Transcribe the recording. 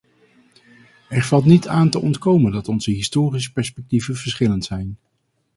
Er valt niet aan te ontkomen dat onze historische perspectieven verschillend zijn.